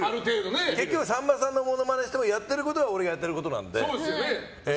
結局さんまさんのモノマネしてもやってることはやってることなので。